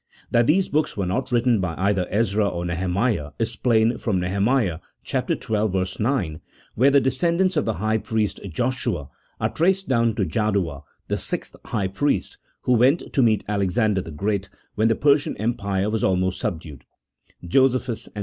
That these books were not written by either Ezra or Nehemiah is plain from Nehemiah xii. 9, where the de scendants of the high priest, Joshua are traced down to Jaddua, the sixth high priest, who went to meet Alexander the Great, when the Persian empire was almost subdued (Josephus, "Ant."